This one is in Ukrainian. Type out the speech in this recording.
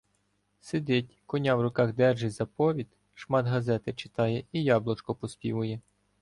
Сидить, коня в рухах держить за повід, шмат газети читає і "Яблочко" поспівує.